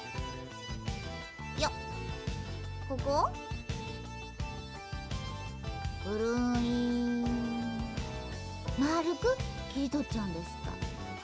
ここをぐるりんまあるくきりとっちゃうんですか。